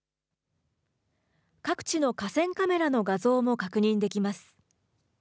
各地の河川カメラの画像も確認できます。